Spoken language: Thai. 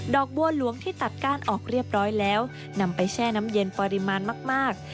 บัวหลวงที่ตัดก้านออกเรียบร้อยแล้วนำไปแช่น้ำเย็นปริมาณมาก